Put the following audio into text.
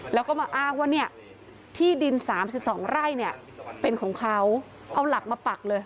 แล้วก็มาอ้างว่าเนี่ยที่ดิน๓๒ไร่เนี่ยเป็นของเขาเอาหลักมาปักเลย